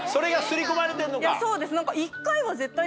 そうです。